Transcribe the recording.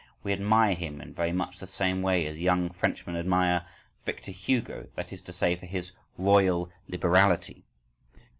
We admire him in very much the same way as young Frenchmen admire Victor Hugo—that is to say, for his "royal liberality."